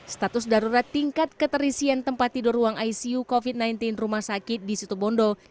status darurat tingkat keterisian tempat tidur ruang icu covid sembilan belas rumah sakit di situ bondo